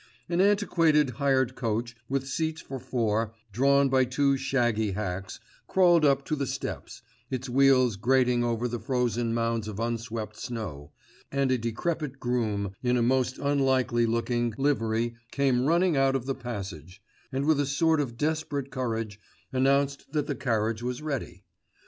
An antiquated hired coach with seats for four, drawn by two shaggy hacks, crawled up to the steps, its wheels grating over the frozen mounds of unswept snow, and a decrepit groom in a most unlikely looking livery came running out of the passage, and with a sort of desperate courage announced that the carriage was ready....